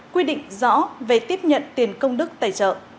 quy định rõ về tiếp nhận tiền công đức tài trợ